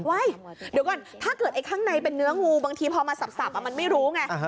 เดี๋ยวก่อนถ้าเกิดไอ้ข้างในเป็นเนื้องูบางทีพอมาสับมันไม่รู้ไง